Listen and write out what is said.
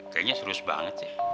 kayaknya serius banget sih